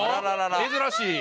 珍しい。